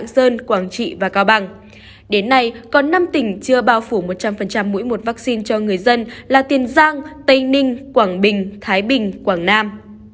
đến nay còn năm tỉnh chưa bao phủ một trăm linh mũi một vaccine cho người dân là tiền giang tây ninh quảng bình thái bình quảng nam